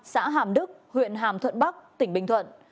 xã hàm đức huyện hàm thuận bắc tỉnh bình thuận